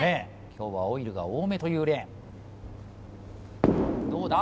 今日はオイルが多めというレーンどうだ